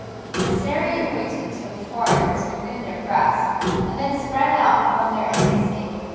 The Assyrians waited till the quarry was within their grasp and then sprang out from their ambuscade.